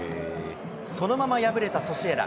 そのまま敗れたソシエダ。